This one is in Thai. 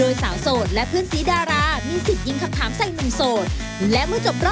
เย้